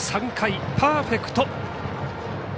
３回、パーフェクト。